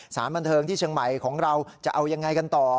สารบันเทิงที่เชียงใหม่ของเราจะเอายังไงกันต่อ